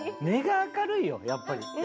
根が明るいよやっぱり。